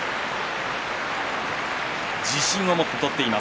自信を持って取っています。